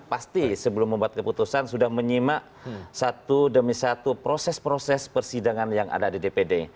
pasti sebelum membuat keputusan sudah menyimak satu demi satu proses proses persidangan yang ada di dpd